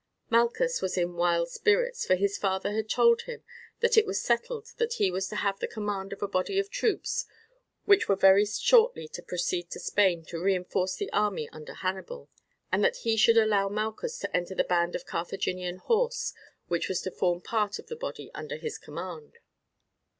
Malchus was in wild spirits, for his father had told him that it was settled that he was to have the command of a body of troops which were very shortly to proceed to Spain to reinforce the army under Hannibal, and that he should allow Malchus to enter the band of Carthaginian horse which was to form part of the body under his command.